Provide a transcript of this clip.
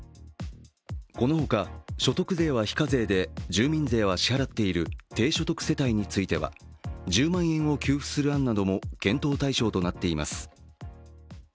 このほか所得税は非課税で、住民税は支払っている低所得世帯については１０万円を給付する案なども検討対象となっています。